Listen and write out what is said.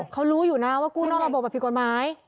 เค้ารู้อยู่นะว่ากู้นอกระบบอภิกฎไม้